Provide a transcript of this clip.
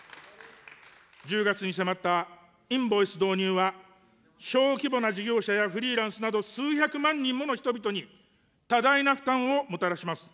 １０月に迫ったインボイス導入は、小規模な事業者やフリーランスなど数百万人もの人々に多大な負担をもたらします。